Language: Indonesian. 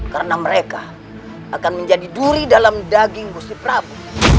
karena mereka akan menjadi duri dalam daging gusti prabu